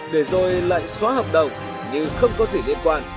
để rồi lại xóa hợp đồng nhưng không có gì liên quan